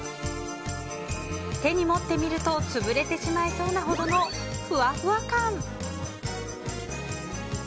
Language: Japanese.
手に持ってみるとつぶれてしまいそうなほどのふわふわ感。